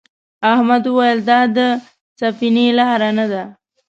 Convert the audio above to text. احمد وویل دا د سفینې لار نه ده.